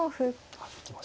あっ打ちました。